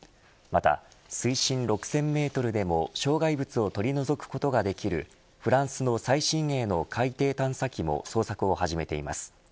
また、水深６０００メートルでも障害物を取り除くことができるフランスの最新鋭の海底探査機も捜索を始めています。